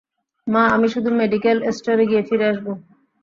মা, আমি শুধু মেডিকেল স্টোরে গিয়ে ফিরে আসব।